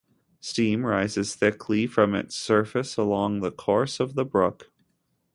Steam rises thickly from its surface along the course of the brook.